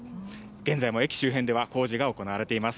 現在も駅周辺では、工事が行われています。